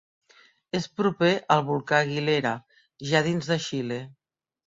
És proper al volcà Aguilera, ja dins de Xile.